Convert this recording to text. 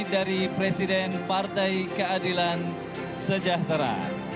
dari presiden partai keadilan sejahtera